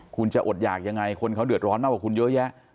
คุณจะอดหยากยังไงคนเขาเดือดร้อนมากกว่าคุณเยอะแยะ